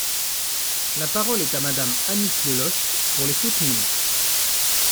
La parole est à Madame Annick Le Loch, pour les soutenir.